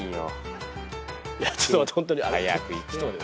いやちょっと待ってホントに。